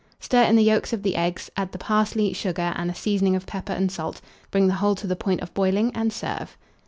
Stir in the yolks of the eggs, add the parsley, sugar, and a seasoning of pepper and salt; bring the whole to the point of boiling, and serve.